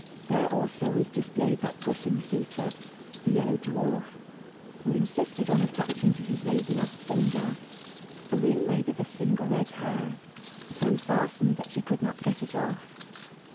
There, also, was displayed that pushing suitor, the Yellow Dwarf, who insisted on attaching to his lady love's finger a ring made of a single red hair, so fastened that she could not get it off.